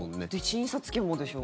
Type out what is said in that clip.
診察券もでしょ？